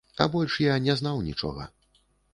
А больш я не знаў нічога.